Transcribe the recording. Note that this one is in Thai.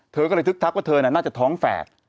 เธอก็เลยทึกทักว่าเธอน่าจะท้องแฝด